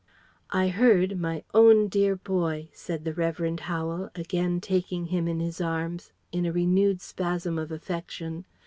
"I heard my own dear boy " said the Revd. Howel, again taking him in his arms in a renewed spasm of affection.